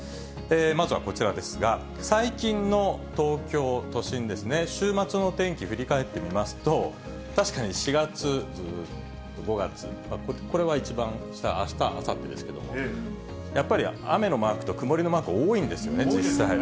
まずはこちらですが、最近の東京都心ですね、週末のお天気振り返ってみますと、確かに４月、５月、これは一番下、あした、あさってですけれども、やっぱり雨のマークと曇りのマーク多いんですよね、実際。